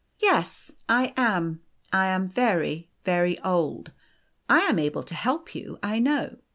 O " Yes, I am. I am very, very old. I am able to help you, I know.